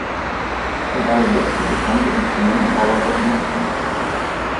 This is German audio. Er war der letzte bekannte Instrumentenbauer der Dynastie.